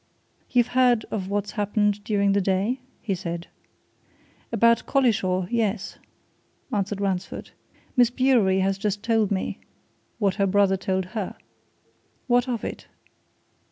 "You've heard of what's happened during the day?" he said. "About Collishaw yes," answered Ransford. "Miss Bewery has just told me what her brother told her. What of it?"